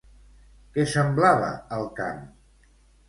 Què semblava el camp?